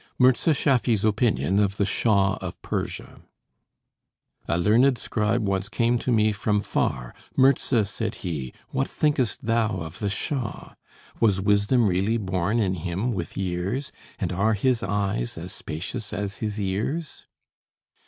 MIRZA SCHAFFY'S OPINION OF THE SHAH OF PERSIA A learnèd scribe once came to me from far: "Mirza!" said he, "what think'st thou of the Shah? Was wisdom really born in him with years? And are his eyes as spacious as his ears?"